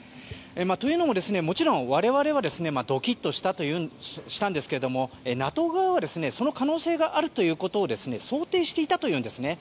というのも、もちろん我々はドキッとしたんですけれどもＮＡＴＯ側はその可能性があるということを想定していたというんです。